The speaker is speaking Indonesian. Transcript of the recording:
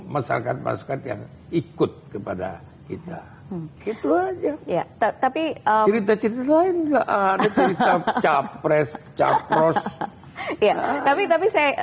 masyarakat masyarakat yang ikut kepada kita gitu aja tapi calcium gak ada cerita capres capros tapi